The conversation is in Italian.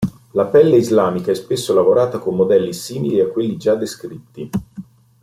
La pelle islamica è spesso lavorata con modelli simili a quelli già descritti.